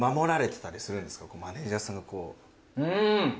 マネジャーさんがこう。